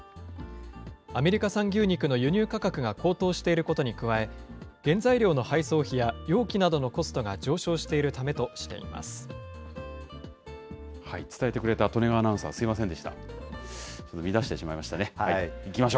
アメリカ産牛肉の輸入価格が高騰していることに加え、原材料の配送費や容器などのコストが上昇しているためとしています。